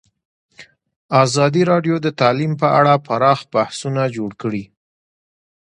ازادي راډیو د تعلیم په اړه پراخ بحثونه جوړ کړي.